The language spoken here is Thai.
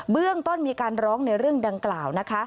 เรื่องต้นมีการร้องในเรื่องดังกล่าวนะคะ